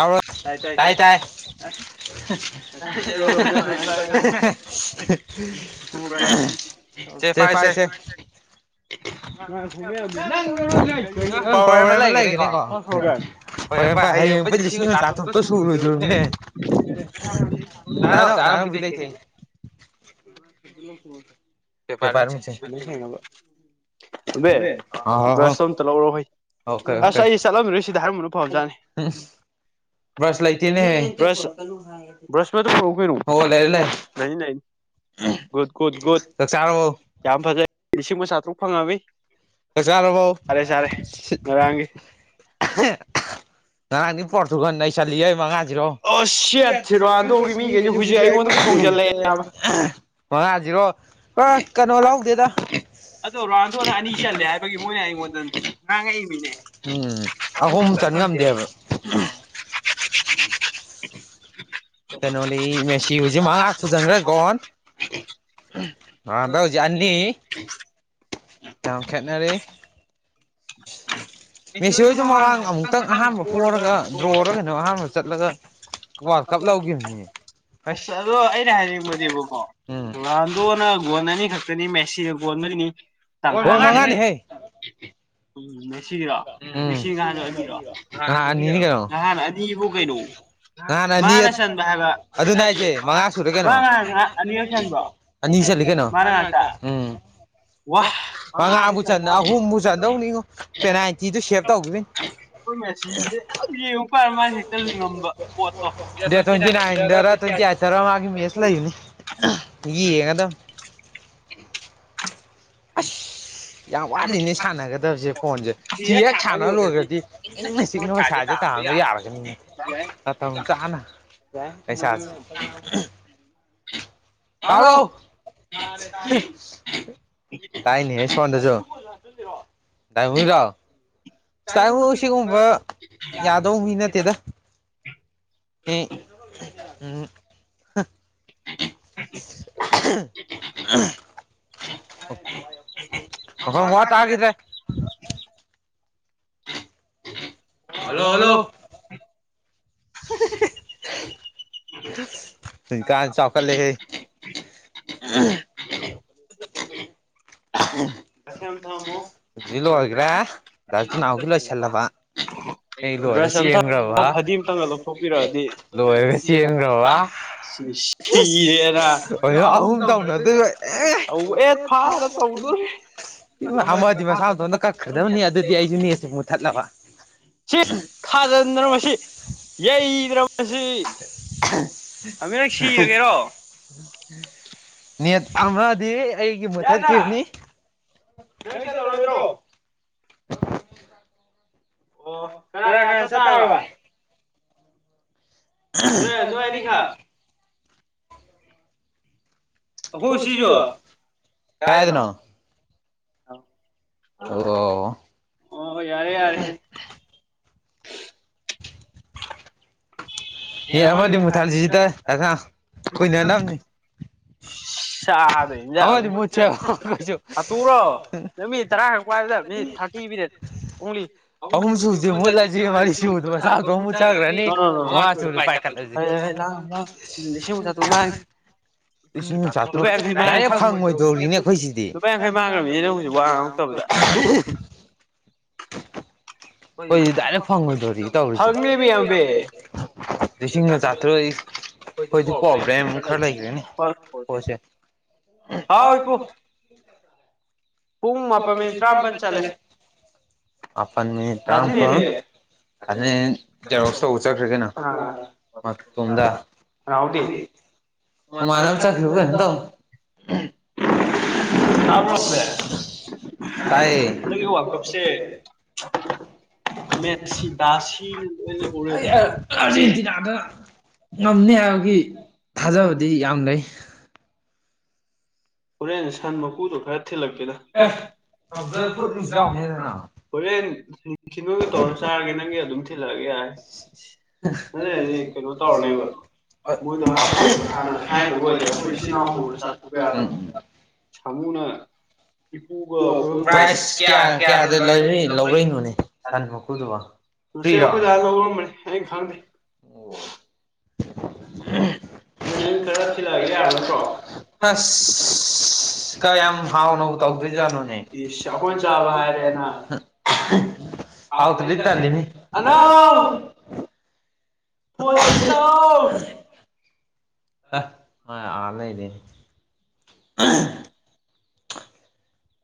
ꯇ ꯇꯥꯏ ꯁꯦ ꯐꯥꯏꯁꯦ꯭ꯔꯣ ꯑꯃ ꯂꯩꯒꯦꯅꯤꯀꯣ ꯍꯡ ꯐꯥꯏ ꯍꯌꯦꯡ ꯁꯤ ꯇꯥ ꯁꯔꯣ ꯕꯤꯗꯥ ꯊ ꯑꯦ ꯑꯣꯕꯦ ꯕ꯭ꯔꯁꯇꯣ ꯑꯝꯇ ꯂꯧꯔꯣ ꯍꯣꯏ ꯑꯁ ꯑꯩꯁ ꯆꯠꯂꯝꯃꯤꯔ ꯁꯤꯗ ꯍꯥꯏꯔꯝꯕꯅ ꯐꯕꯖꯥꯠꯅꯤ ꯭ꯔꯁ ꯂꯥꯛꯇꯅꯦ ꯍ ꯂꯩꯦ ꯨꯠ ꯀꯨꯠꯒꯣꯠ ꯀꯌꯥꯝ ꯐꯖꯦ ꯏꯦ ꯃꯁꯥꯇ꯭ꯔꯛ ꯐꯪꯉꯃꯤ ꯀꯁꯥꯅꯣ ꯐꯎ ꯉꯅꯤ ꯄꯔ ꯑꯗꯨꯒꯟ ꯑꯩ ꯆꯂꯤ ꯑꯩ ꯃꯉꯥꯁꯤꯔꯣꯦ ꯃꯉꯥꯁꯤꯔꯣ ꯀꯩꯅꯣ ꯂꯧꯗꯦꯗ ꯦ ꯍꯥꯏꯕꯒꯤ ꯃꯅꯤ ꯍꯥꯏ ꯃ ꯅ ꯀꯅꯦ ꯎꯝ ꯑꯍꯨꯝꯛ ꯆꯠ ꯉꯝꯗꯦꯕ ꯈꯗ ꯀꯩꯅꯣꯗꯤ ꯃꯦꯁꯤ ꯍꯧꯖꯤꯛ ꯃꯍꯥꯛ ꯁꯨꯖꯟꯈ꯭ꯔꯦ ꯀꯣꯟ ꯅꯥꯟꯗ ꯍꯧꯖꯤꯛ ꯑꯅꯤ ꯇꯈꯦꯠꯅꯔꯤ ꯃꯃꯥꯡꯍ ꯑꯁ ꯑꯗꯣ ꯑꯩꯅ ꯍꯥꯏꯅꯤꯡꯕꯅꯦꯕꯀꯣ ꯔꯥꯟꯗꯣꯅ ꯒꯣꯟ ꯑꯅꯤ ꯈꯛꯇꯅꯤ ꯃꯦꯁꯤ ꯣꯃꯦꯔꯤꯅꯤ ꯍ ꯃꯉꯅꯤ ꯍꯥꯏ ꯎꯝ ꯉꯁꯤꯔꯣ ꯉꯁꯤꯡ ꯅꯍꯥꯟꯗꯣ ꯑꯅꯤꯔꯣ ꯅꯍꯥꯟ ꯑꯅꯤꯕꯨ ꯀꯩꯅꯣ ꯃꯥꯅ ꯆꯟꯕ ꯍꯥꯏꯕ ꯉꯍ ꯑꯅꯤꯔꯛ ꯆꯟꯕ꯭ꯔꯣꯅ ꯉꯥꯛꯇ ꯃꯉꯥꯕꯨ ꯆꯟꯗ ꯑꯍꯨꯝꯕꯨ ꯆꯟꯗꯧꯅꯤꯉꯣ ꯅꯥꯏꯟꯇꯤꯗꯨ ꯁꯦꯚ ꯇꯧꯈꯤꯅꯤ ꯗ ꯇ꯭ꯋꯦꯟꯇꯤ ꯅꯥꯏꯟꯗꯔ ꯇ꯭ꯋꯦꯟꯇꯤ ꯑꯥꯏꯠꯇꯔ ꯃꯥꯒꯤ ꯃꯦꯁ ꯂꯩꯕꯅꯤ ꯌꯦꯡꯉꯗꯕ ꯎꯝ ꯑꯁ ꯌꯥꯝ ꯋꯥꯠꯂꯤꯅꯦ ꯁꯥꯟꯅꯒꯗꯕꯁꯦ ꯐꯣꯟꯁꯦ ꯁꯤ ꯍꯦꯛ ꯁꯥꯟꯅ ꯂꯣꯏꯈ꯭ꯔꯗꯤ ꯏꯪꯅ ꯆꯤꯛꯅ ꯄꯩꯁꯥꯁꯦ ꯇꯥꯍꯟꯕ ꯌꯥꯔꯒꯅꯤꯅꯦ ꯃꯇꯝ ꯆꯥꯅ ꯄꯩꯁꯥꯁꯦ ꯔꯥꯎ ꯔꯎ ꯇꯥꯏꯅꯤ ꯍꯦ ꯁꯣꯟꯗꯦꯁꯨꯣ [inaudible] ꯇꯥꯏ ꯍꯔ ꯆꯥꯏ ꯁꯤꯒꯨꯝꯕ ꯌꯥꯗꯧ ꯃꯤ ꯅꯠꯇꯦꯗ ꯑꯦ ꯎꯝ ꯍꯥ ꯑꯣ ꯃꯈꯣꯟ ꯃꯋꯥ ꯇꯥꯈꯤꯗ꯭ꯔꯦ ꯍꯜꯂꯣ ꯍꯜꯂꯣ [inaudible] [inaudible] ꯍꯧꯖꯤꯛ ꯀꯥꯟ ꯆꯥꯎꯈꯠꯂꯦꯍꯦ ꯎ ꯀꯁꯦ ꯊꯃꯣ ꯑꯗꯨꯗꯤ ꯂꯣꯏꯈꯔꯦ ꯑꯗꯥ ꯊꯅꯥꯎꯒꯤ ꯂꯣꯏꯁꯤꯟꯂꯕ ꯑꯩ ꯂꯣꯏꯔ ꯆꯦꯟꯈ꯭ꯔꯕ ꯂꯣꯏꯔꯒ ꯆꯦꯟꯈ꯭ꯔꯕ ꯑꯍꯨꯝ ꯇꯧꯅꯗꯣꯏ ꯑꯦ ꯑꯃ ꯝꯁꯤ ꯊꯥ ꯃꯁꯤ ꯌꯩꯗꯅ ꯃꯁꯤ ꯑ [inaudible] ꯅꯦꯠ ꯑꯃꯗꯤ ꯑꯩꯒꯤ ꯃꯨꯊꯠꯈꯤꯕꯅꯤ [inaudible] ꯑꯣ ꯃꯅꯥ ꯃꯅꯥ ꯆꯠ ꯇꯥꯔꯕ ꯅꯣꯏ ꯑꯅꯤꯈꯛ ꯐꯨꯁꯤꯖꯨ ꯀꯥꯏꯗꯅꯣ ꯑꯥꯎ ꯑꯣ ꯑꯣ ꯍ ꯌꯥꯔꯦ ꯌꯥꯔꯦ ꯅꯦꯠ ꯑꯃꯗꯤ ꯃꯨꯊꯠꯁꯤꯁꯤꯗ ꯗꯥ ꯊꯅꯥꯎ ꯀꯨꯏꯅꯅꯕꯅꯤ [inaudible] ꯍꯥꯇꯣꯛꯎꯔꯣ ꯅꯪ ꯃꯤꯅꯤꯠ ꯇꯔꯥꯈꯛ ꯄꯥꯏꯕꯗꯕꯅꯤ ꯊꯥꯔꯇꯤ ꯃꯤꯅꯠ ꯄꯥꯏꯈꯛꯂꯥꯁꯤ ꯏꯁꯤꯡ ꯆ ꯗꯥꯏꯔꯦꯛ ꯐꯪꯉꯣꯏꯗꯧꯔꯤꯅꯦ ꯑꯩꯈꯣꯏꯁꯤꯗꯤ [unintelligible] ꯑꯩꯈꯣꯏꯗꯤ ꯗꯥꯏꯔꯦꯛ ꯐꯪꯉꯣꯏꯗꯧꯔꯤ ꯇꯧꯔꯤꯁꯦ ꯂꯤꯁꯤꯡꯒ ꯆꯥꯇ꯭ꯔꯨꯛ ꯑꯩꯈꯣꯏꯗꯤ ꯄ꯭ꯔꯣꯕ꯭ꯂꯦꯝ ꯈꯔ ꯂꯩꯈ꯭ꯔꯦꯅꯦ ꯄꯣꯠꯁꯦ ꯄ ꯃꯤ ꯇ ꯑ ꯁ ꯎ ꯎꯆꯛꯔꯦꯒꯦꯅꯥ ꯃ ꯇꯣꯗ ꯃꯃꯥꯟꯅ ꯑꯃ ꯆꯠꯈꯈꯤꯕ ꯀꯩꯅꯣ ꯇꯧ ꯇꯥꯏꯌꯦ ꯑꯥꯔꯖꯦꯟꯇꯤꯅꯥꯗ ꯉꯝꯅꯤ ꯍꯥꯏꯕꯒꯤ ꯊꯖꯕ ꯗꯤ ꯌꯥꯝ ꯂꯩ ꯍꯣꯔꯦꯟ ꯁꯟ ꯃꯀꯨꯗꯣ ꯈꯔ ꯊꯤꯜꯂꯛꯇꯦꯅ ꯍꯣꯔꯦꯟ ꯁꯤꯅꯣꯏꯒ ꯇꯧꯔ ꯆꯥꯔꯒꯦ ꯅꯪꯒꯤ ꯑꯗꯨꯝ ꯊꯤꯜꯂꯛꯑꯒꯦ ꯌꯥꯔꯦ ꯑꯗꯨ ꯀꯩꯅꯣ ꯇꯧꯔꯅꯦꯕ ꯃꯣꯏꯗꯣ ꯍꯥꯟꯅ ꯍꯥꯏꯗꯕ ꯑꯣꯏꯗꯕ ꯑꯩꯈꯣꯏ ꯏꯆꯤꯜ ꯏꯅꯥꯎ ꯍꯧꯔ ꯆꯊꯣꯛꯄ ꯌꯥꯕ ꯄ꯭ꯔꯥꯏꯖ ꯀꯌꯥ ꯀꯌꯥꯗ ꯂꯧꯔꯛꯏꯅꯣꯅꯦ ꯁꯟ ꯃꯨꯀꯨꯗꯨꯕꯨ ꯐ꯭ꯔꯤꯔꯣ ꯑꯣ [unintelligible] ꯀꯌꯥꯝ ꯍꯥꯎꯅꯕꯨ ꯇꯧꯗꯣꯏꯖꯥꯠꯅꯣꯅꯦ ꯍꯥꯎꯇ꯭ꯔꯗꯤ ꯇꯜꯂꯤꯍꯦ ꯐꯣꯟ ꯊꯧꯖꯤ ꯂꯥꯛꯑꯣ ꯑꯦ ꯃꯥ ꯑꯥ ꯂꯩꯔꯦꯅꯦ ꯑ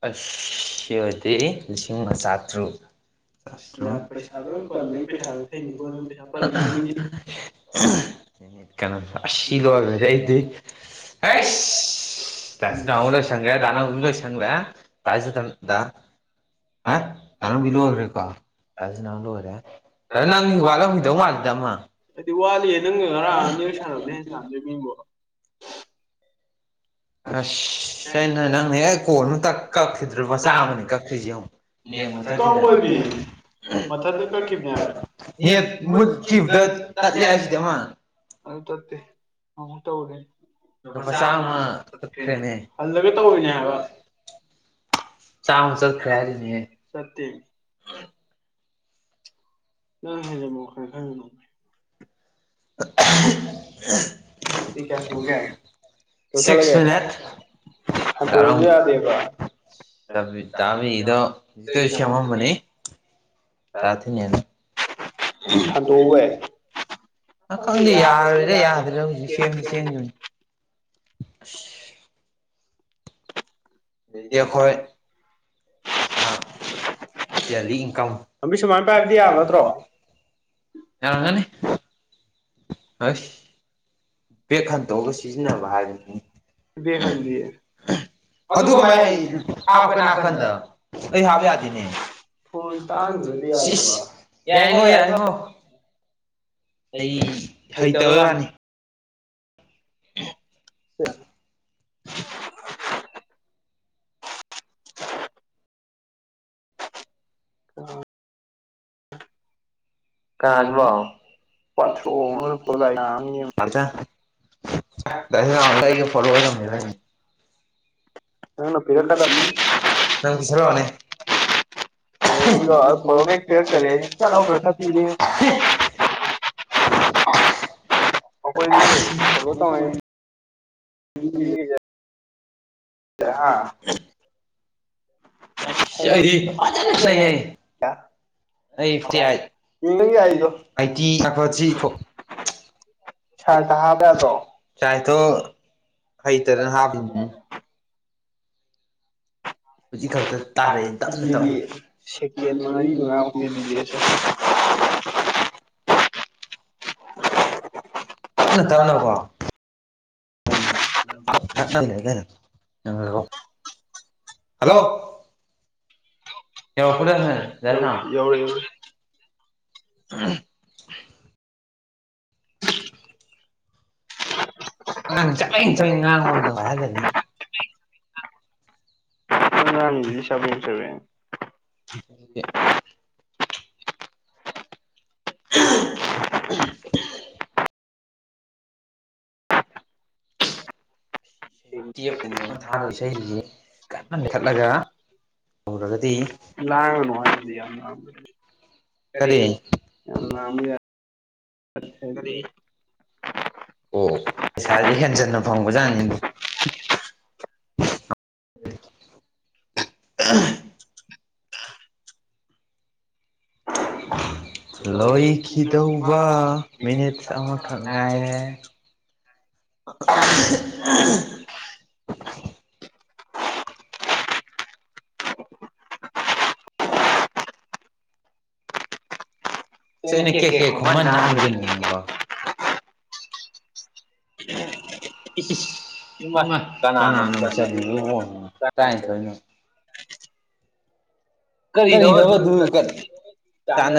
ꯑꯁꯤ ꯅꯣꯏꯗꯤ ꯂꯤꯁꯤꯡ ꯑꯃ ꯆꯥꯇꯔꯦꯠ ꯊ꯭ꯔꯨ ꯄꯩꯁꯥꯗꯣ ꯄꯩꯁꯥ [unintelligible] ꯀꯩꯅ ꯑꯁꯤ ꯂꯣꯏꯈ꯭ꯔꯗꯤ ꯑꯩꯗꯤ ꯍꯩꯁ [unintelligible] ꯂꯣꯏꯁꯟꯒꯔꯦ ꯗꯥ ꯅꯥꯎꯕꯁꯨ ꯂꯣꯏꯁꯟꯒꯔꯦ ꯗꯥ ꯆꯦꯇꯟ ꯗꯥꯅꯥꯎꯕꯤ ꯂꯣꯏꯈ꯭ꯔꯦꯀꯣ [unintelligible] ꯂꯣꯏꯈꯔꯦ ꯅꯪ ꯋꯥꯠꯂꯝꯈꯤꯗꯧ ꯃꯥꯜꯂꯤꯗ ꯑꯃ ꯑꯁ ꯃꯊꯟ ꯀꯛꯈꯤꯕꯅꯦꯕꯦ ꯍꯥꯏꯁ ꯑꯗꯨ ꯇꯦ ꯑꯃꯨꯛ ꯇꯧꯔꯦ ꯂꯨꯄꯥ ꯆꯥꯃ ꯍꯜꯂꯒ ꯇꯧꯅꯦ ꯍꯥꯏꯕ ꯆꯠꯇꯦ ꯌꯥ ꯍꯃ ꯈꯔ ꯍꯥꯏꯪ ꯁꯤꯛꯁ ꯃꯤꯅꯤꯠ ꯔꯝ ꯥꯕꯤꯗꯣ ꯍꯧꯖꯤꯗꯣꯏ ꯁꯦꯝꯃꯝꯕꯅꯤ ꯗꯥꯥ ꯗꯤꯅꯦꯁ ꯊꯟꯗꯣꯛꯑꯣ ꯑ ꯈꯪꯗꯦ ꯌꯥꯔꯤꯔꯥ ꯌꯥꯗꯔꯤꯔꯥ ꯍꯧꯖꯤꯛ ꯁꯦꯝꯗꯤ ꯁꯦꯝꯈꯤꯕꯅꯤ ꯑꯁꯁ ꯗꯦꯈꯣꯢ ꯄꯩꯁꯥ ꯂꯝꯕꯤ ꯁꯨꯃꯥꯏꯅ ꯄꯥꯏꯕꯗꯤ ꯌꯥꯕ ꯅꯠꯇ꯭ꯔꯣ ꯑꯁ ꯕꯦꯛ ꯍꯟꯇꯣꯛꯑꯒ ꯁꯤꯖꯤꯟꯅꯕ ꯍꯥꯏꯕꯅꯤ ꯑꯗꯨ ꯀꯃꯥꯏꯅ ꯍꯥꯞꯀꯦ ꯅꯥꯀꯟꯗ ꯑꯩ ꯍꯥꯞ ꯌꯥꯗꯦꯅꯦ ꯌꯥꯏꯉꯣ ꯌꯥꯏꯉꯣ ꯑꯩ ꯍꯩꯇꯕꯩ ꯋꯥꯅꯤ ꯑꯣ [unintelligible] ꯑꯝ [inaudible] ꯅꯪꯅ ꯄꯤꯔꯛꯀꯗꯕꯅꯤ [inaudible] ꯊꯨꯕꯤꯁꯛ ꯍꯥꯥ [inaudible] ꯗꯨꯗꯤ ꯁꯦꯀꯦꯟ ꯃꯔꯤ ꯃꯉꯥ ꯃꯨꯇꯪ ꯇꯞꯅ ꯇꯞꯅꯀꯣ ꯅꯛꯅ ꯂꯩꯩꯅ ꯂꯩꯒꯅꯤ ꯍꯜꯂꯣ [unintelligible] [unintelligible] [unintelligible] ꯑꯉꯥꯡ ꯆꯕꯦꯡ ꯆꯕꯦꯡ ꯉꯥꯡꯕꯃꯇ ꯄꯥꯏꯍꯟꯂꯗꯤ [inaudible] [unintelligible] [unintelligible] ꯢꯁꯧꯅꯤ ꯇꯦꯞ ꯀꯨꯝꯕ ꯑꯃ ꯊꯔꯒ ꯏꯁꯩꯁꯤ ꯀꯟꯅ ꯂꯩꯈꯠꯂꯒ ꯇꯧꯔꯕꯗꯤ ꯀꯔꯤ ꯑ ꯀꯔꯤ ꯑꯣ ꯄꯩꯁꯥꯗꯤ ꯍꯦꯟꯖꯟꯅ ꯐꯪꯕꯖꯥꯠꯅꯤ [inaudible] ꯎꯝ [inaudible] [unintelligible] [unintelligible] ꯁꯤꯅ ꯀꯦ ꯀꯦ ꯈꯨꯝꯃ ꯅꯅꯥꯥꯡꯖꯟꯅꯦꯕꯥꯎ ꯏꯁ ꯏꯃꯥ ꯀꯅꯥꯅꯣ ꯑꯃꯨꯛ ꯆꯠꯂꯤꯕꯕꯣꯅꯅꯣ ꯇꯔꯥꯅꯤꯊꯣꯏꯅꯣ ꯀꯔꯤꯗ ꯑꯗꯨ ꯆꯥꯅ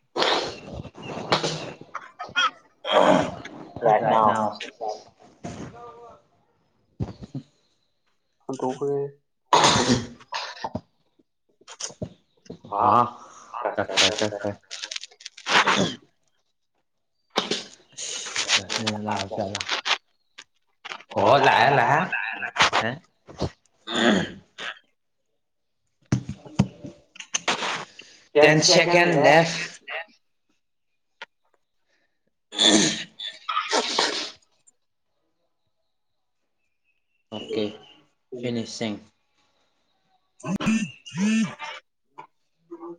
[inaudible] ꯔꯥꯏꯠꯅꯥꯎ [inaudible] ꯇꯣꯛꯈꯦ ꯍꯥꯥ [unintelligible] [unintelligible] [inaudible] ꯂꯥꯛ ꯆꯂ ꯑꯣ ꯂꯍ ꯂꯍ ꯇꯦꯟ ꯁꯦꯀꯦꯟ ꯂꯦꯟ [unintelligible] [inaudible] ꯑꯣꯀꯦ ꯐꯅꯤꯁ ꯎꯝ ꯎꯝ